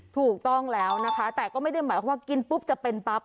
ถูกต้องแล้วนะคะแต่ก็ไม่ได้หมายความว่ากินปุ๊บจะเป็นปั๊บ